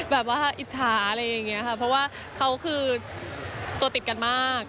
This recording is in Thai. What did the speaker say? แบบว่าอิจฉาอะไรอย่างนี้ค่ะเพราะว่าเขาคือตัวติดกันมาก